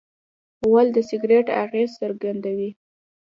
غول د سګرټ اغېز څرګندوي.